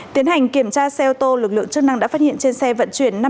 tiến hành kiểm tra xe ô tô lực lượng chức năng đã phát hiện trên xe vận chuyển